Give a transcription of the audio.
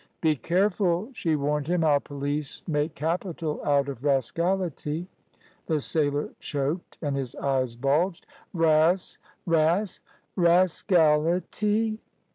"Be careful," she warned him; "our police make capital out of rascality." The sailor choked and his eyes bulged. "Ras ras rascality?"